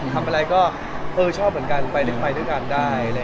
ทำอะไรก็เออชอบเหมือนกันไปด้วยกันได้